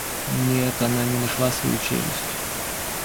Нет, она не нашла свою челюсть.